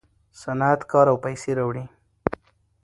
صنعت کار او پیسې راوړي.